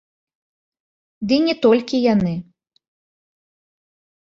Дый не толькі яны.